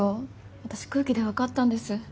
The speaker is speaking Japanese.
私空気で分かったんです。